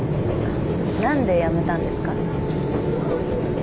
何で辞めたんですか？